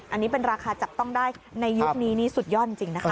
อันนี้เป็นราคาจับต้องได้ในยุคนี้นี่สุดยอดจริงนะคะ